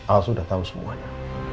al sudah tahu semuanya